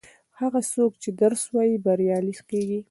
هغه څوک چې درس وايي بریالی کیږي.